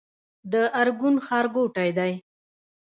د ارګون ښارګوټی دی